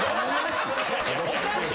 おかしい